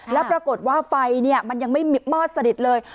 แล้วปรากฏว่าไฟมันยังไม่มอดสนิทเลย